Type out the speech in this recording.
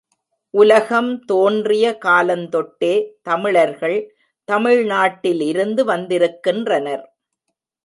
உலகம் தோன்றிய காலந்தொட்டே தமிழர்கள் தமிழ்நாட்டில் இருந்து வந்திருக்கின்றனர்.